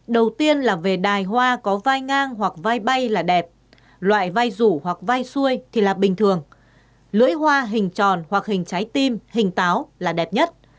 đầu tiên là về đài hoa có vai ngang hoặc vai là đẹp loại vai rủ hoặc vai xuôi thì là bình thường lưỡi hoa hình tròn hoặc hình trái tim hình táo là đẹp nhất